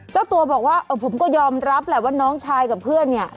เจ้าตัวบอกว่าผมก็ยอมรับแหละว่าน้องชายกับเพื่อนเนี่ย